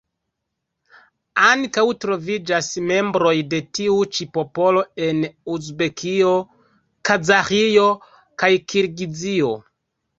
Ankaŭ troviĝas membroj de tiu ĉi popolo en Uzbekio, Kazaĥio kaj Kirgizio.